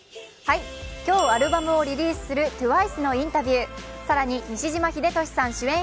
今日アルバムをリリースするＴＷＩＣＥのインタビュー、更に西島秀俊さん主演